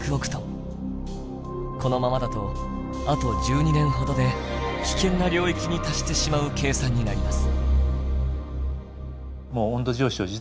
このままだとあと１２年ほどで「危険な領域」に達してしまう計算になります。